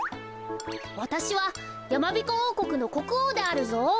わたしはやまびこおうこくのこくおうであるぞ。